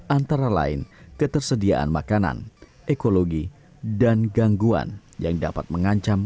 antara lain ketersediaan makanan ekologi dan gangguan yang dapat mengancam